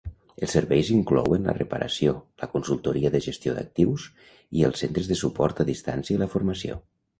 Els serveis inclouen la reparació, la consultoria de gestió d'actius i els centres de suport a distància i la formació.